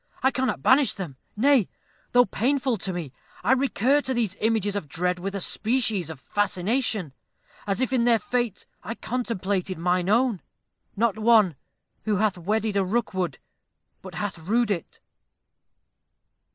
I cannot banish them: nay, though painful to me, I recur to these images of dread with a species of fascination, as if in their fate I contemplated mine own. Not one, who hath wedded a Rookwood, but hath rued it."